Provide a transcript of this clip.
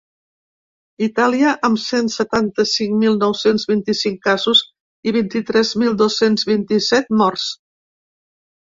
Itàlia, amb cent setanta-cinc mil nou-cents vint-i-cinc casos i vint-i-tres mil dos-cents vint-i-set morts.